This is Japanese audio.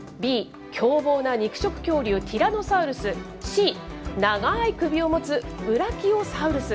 Ｂ、凶暴な肉食恐竜ティラノサウルス、Ｃ、長い首を持つブラキオサウルス。